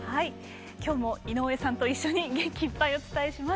今日も井上さんと一緒に元気いっぱいお伝えします。